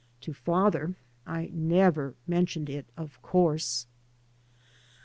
To father I never mentioned it, of course.